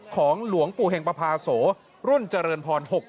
หลวงปู่เห็งปภาโสรุ่นเจริญพร๖๗